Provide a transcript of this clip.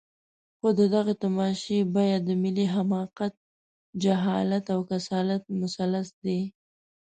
خو د دغې تماشې بیه د ملي حماقت، جهالت او کسالت مثلث دی.